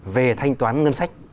về thanh toán ngân sách